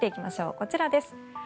こちらです。